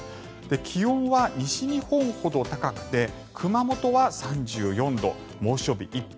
気温は西日本ほど高くて熊本は３４度猛暑日一歩